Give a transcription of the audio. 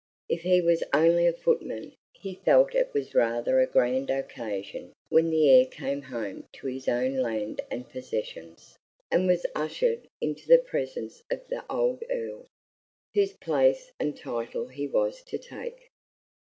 If he was only a footman, he felt it was rather a grand occasion when the heir came home to his own land and possessions, and was ushered into the presence of the old Earl, whose place and title he was to take.